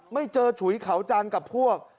ไม่เจอฉุยเขาจันทร์กับพวก